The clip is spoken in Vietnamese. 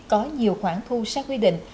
có nhiều khoản thu xác quy định